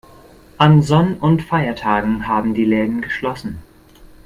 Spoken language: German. An Sonn- und Feiertagen haben die Läden geschlossen.